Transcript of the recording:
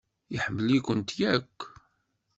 Iḥemmel-ikent akk.